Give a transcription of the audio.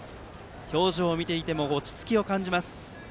表情を見ていても落ち着きを感じます。